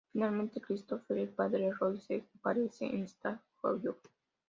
Finalmente, Christopher, el padre de Rory, se aparece en Stars Hollow.